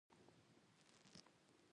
آیا د کاناډا لویدیځ د غنمو ګدام نه دی؟